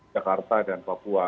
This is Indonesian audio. jakarta dan papua